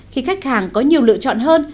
khi khách hàng có nhiều lựa chọn hơn